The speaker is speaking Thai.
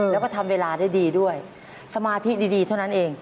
แล้วก็ทำเวลาได้ดีด้วยสมาธิดีเท่านั้นเอง